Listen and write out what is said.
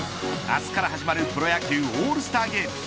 明日から始まるプロ野球オールスターゲーム。